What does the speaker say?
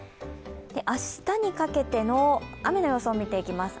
明日にかけての雨の予想を見ていきます。